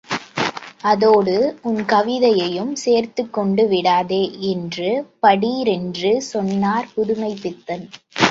அதோடு உன் கவிதையையும் சேர்த்துக் கொண்டு விடாதே! என்று படீரென்று சொன்னார் புதுமைப்பித்தன்.